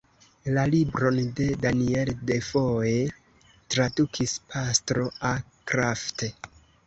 La libron de Daniel Defoe tradukis Pastro A. Krafft.